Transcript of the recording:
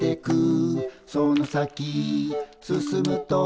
「その先進むと」